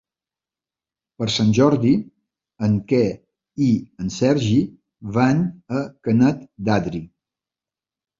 Per Sant Jordi en Quer i en Sergi van a Canet d'Adri.